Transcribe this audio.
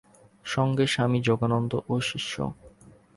সঙ্গে স্বামী যোগানন্দ ও শিষ্য।